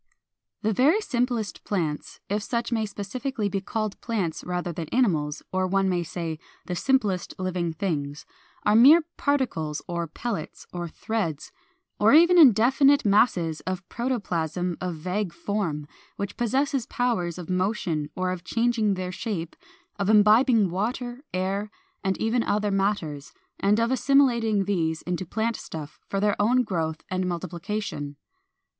397. The very simplest plants (if such may specifically be called plants rather than animals, or one may say, the simplest living things) are mere particles, or pellets, or threads, or even indefinite masses of protoplasm of vague form, which possess powers of motion or of changing their shape, of imbibing water, air, and even other matters, and of assimilating these into plant stuff for their own growth and multiplication.